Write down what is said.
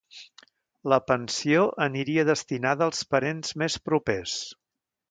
La pensió aniria destinada als parents més propers.